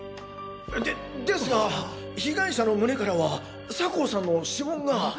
でですが被害者の胸からは酒匂さんの指紋が。